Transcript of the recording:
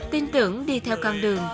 tin tưởng đi theo con đường